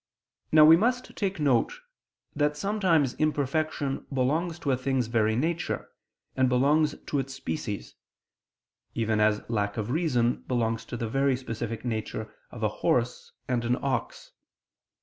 Now we must take note that sometimes imperfection belongs to a thing's very nature, and belongs to its species: even as lack of reason belongs to the very specific nature of a horse and an ox.